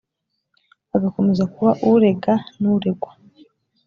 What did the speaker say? agakomeza kuba urega n’uregwa